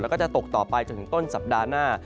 แล้วก็จะตกต่อไปจนถึงต้นสัปดาห์หน้า